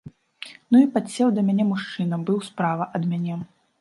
Ну і падсеў да мяне мужчына, быў справа ад мяне.